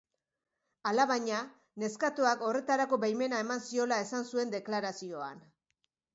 Alabaina, neskatoak horretarako baimena eman ziola esan zuen deklarazioan.